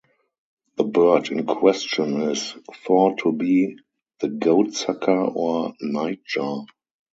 The bird in question is thought to be the goatsucker or nightjar.